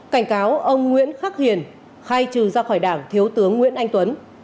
cảnh cáo ông nguyễn khắc hiền khai trừ ra khỏi đảng thiếu tướng nguyễn anh tuấn